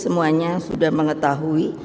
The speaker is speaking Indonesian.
semuanya sudah mengetahui